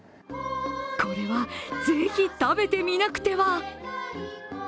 これは是非食べてみなくては！